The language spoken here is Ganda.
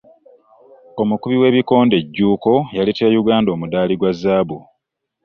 Omukubi w'ebikonde Jjuuko yaleetera Yuganda omudaali gwa zzaabu.